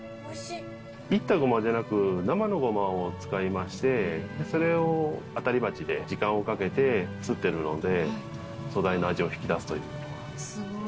炒った胡麻じゃなく生の胡麻を使いましてそれを当たり鉢で時間をかけてすってるので素材の味を引き出す。